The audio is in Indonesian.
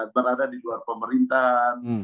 berada di luar pemerintahan